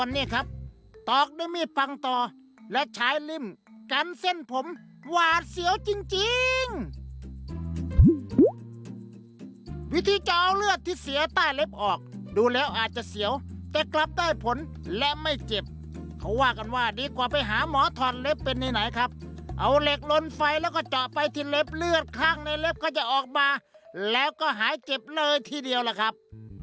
จิ๊ดเป้ขอบอกคำเดียวว่าอย่างนี้ก็แปลกดีนะครับ